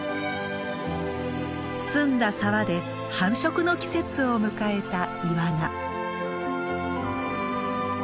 澄んだ沢で繁殖の季節を迎えたイワナ。